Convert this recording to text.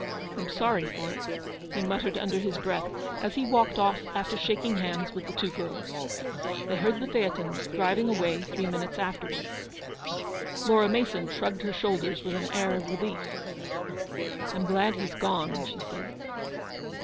I'm sorry for it," he muttered under his breath as he walked off after shaking hands with the two girls. They heard the phaeton driving away three minutes afterwards. Laura Mason shrugged her shoulders with an air of relief. *f I' m glad he's gone," she said.